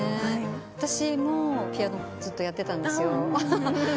私もピアノずっとやってたんですよ。